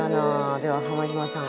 では浜島さん